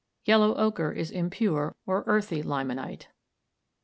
Yellow ochre is impure, or earthy, limonite.